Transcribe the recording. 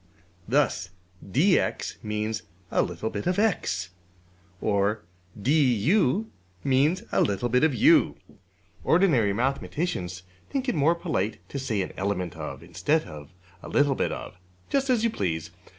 '' Thus $dx$ means a little bit of~$x$; or $du$ means a little bit of~$u$. Ordinary mathematicians think it more polite to say ``an element of,'' instead of ``a little bit of.'' Just as you please.